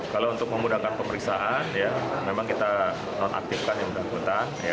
kalau untuk memudahkan pemeriksaan memang kita nonaktifkan yang bersangkutan